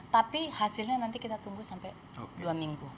tapi hasilnya nanti kita tunggu sampai dua minggu